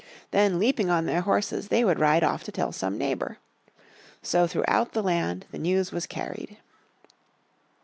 Then, leaping on their horses, they would ride off to tell some neighbour. So throughout the land the news was carried.